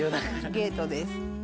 ゲートです。